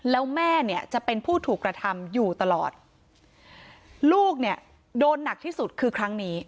แล้วแม่เนี่ยจะเป็นผู้ถูกกระทำอยู่ตลอดลูกเนี่ยโดนหนักที่สุดคือครั้งนี้